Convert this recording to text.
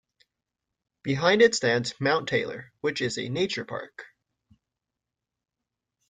Behind it stands Mount Taylor, which is a nature park.